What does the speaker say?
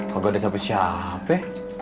kau gak ada siapa siapa ya